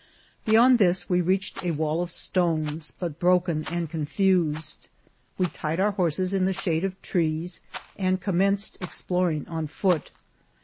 Beyond this we reached a wall of stones, but broken and confused. We tied our horses in the shade of trees, and commenced ex ploring on foot.